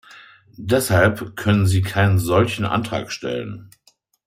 Deshalb können Sie keinen solchen Antrag stellen.